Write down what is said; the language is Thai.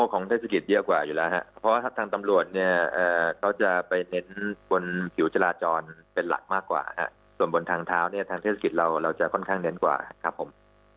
ของเทศกิจเยอะกว่าอยู่แล้วครับเพราะว่าถ้าทางตำรวจเนี่ยเขาจะไปเน้นบนผิวจราจรเป็นหลักมากกว่าส่วนบนทางเท้าเนี่ยทางเทศกิจเราเราจะค่อนข้างเน้นกว่าครับผม